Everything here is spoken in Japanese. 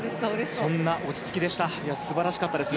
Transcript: そんな落ち着きでした。